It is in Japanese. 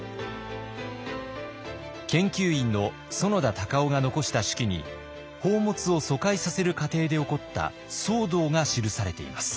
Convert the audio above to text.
研究員の園田敬男が残した手記に宝物を疎開させる過程で起こった騒動が記されています。